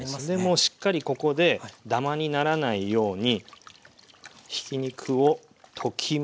もうしっかりここでダマにならないようにひき肉を溶きます。